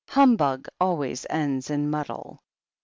Humbug always ends in muddle."